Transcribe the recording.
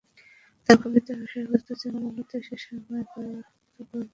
তার কবিতার বিষয়বস্তু ছিল মুলত সে সময়কার আন্ত:গ্রোত্রীয় বিরোধ।